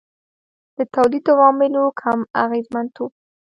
د تولید د عواملو کم اغېزمنتوب.